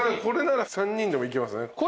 これなら３人でもいけますね。